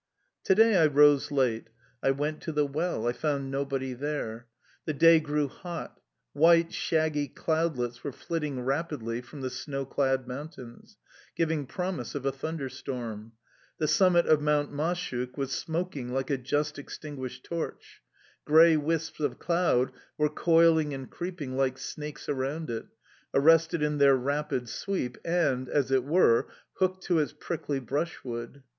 To day I rose late. I went to the well. I found nobody there. The day grew hot. White, shaggy cloudlets were flitting rapidly from the snow clad mountains, giving promise of a thunderstorm; the summit of Mount Mashuk was smoking like a just extinguished torch; grey wisps of cloud were coiling and creeping like snakes around it, arrested in their rapid sweep and, as it were, hooked to its prickly brushwood.